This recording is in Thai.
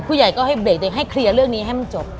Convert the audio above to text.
ผู้ใหญ่ก็ให้เบรกเด็กให้เคลียร์เรื่องนี้ให้มันจบ